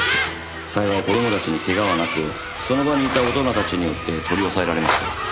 幸い子供たちに怪我はなくその場にいた大人たちによって取り押さえられました。